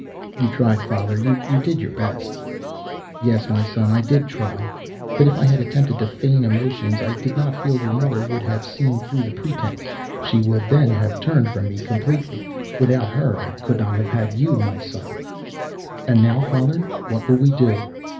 "You tried, father. You did your best." "Yes, my son, I did try. But if I had attempted to feign emotions I did not feel your mother would have seen through the pretense. She would then have turned from me completely. Without her I could not have had you, my son." "And now, father, what will we do?"